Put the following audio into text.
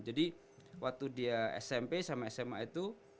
jadi waktu dia smp sama sma itu